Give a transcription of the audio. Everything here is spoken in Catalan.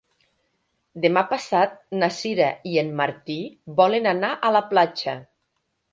Demà passat na Sira i en Martí volen anar a la platja.